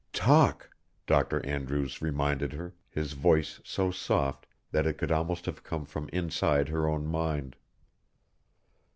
"Talk," Dr. Andrews reminded her, his voice so soft that it could almost have come from inside her own mind.